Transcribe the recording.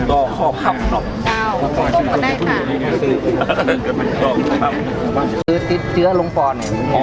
ต้มก็ได้ค่ะอยากจะเป็นต้มครับต้มใช้เจื้อลงปอดอ๋อ